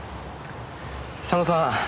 佐野さん